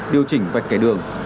điều chỉnh vạch kẻ đường